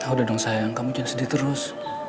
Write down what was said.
udah dong sayang kamu jadi sedih terus